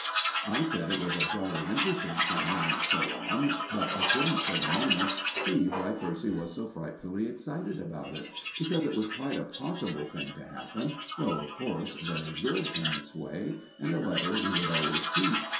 I said it was a jolly interesting thing, and so on; but I couldn't for the moment see why Percy was so frightfully excited about it, because it was quite a possible thing to happen, though, of course, very good in its way, and a letter he would always keep.